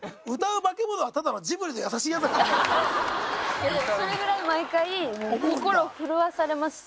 いやでもそれぐらい毎回心を震わされますし。